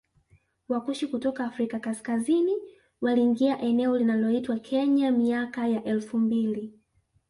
Wakushi kutoka Afrika kaskazini waliingia eneo linaloitwa Kenya miaka ya elfu mbili